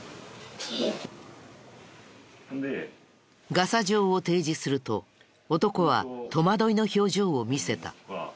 ガサ状を提示すると男は戸惑いの表情を見せた。